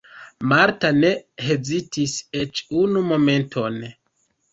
Marta ne hezitis eĉ unu momenton.